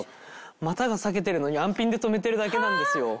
股が裂けてるのに安ピンで留めてるだけなんですよ。